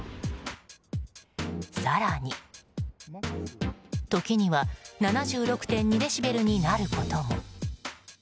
更に、時には７６．２デシベルになることも。